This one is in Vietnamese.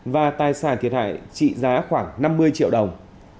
và tài sản thiệt hại trị giá khoảng năm mươi triệu đồng